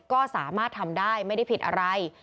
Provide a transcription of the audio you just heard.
ก็สามารถทำได้ไม่ได้ผิดอะไร